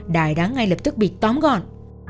đại đã ngay lập tức bị tóm gọn